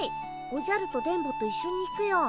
おじゃると電ボと一緒に行くよ。